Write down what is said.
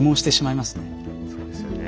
そうですよね。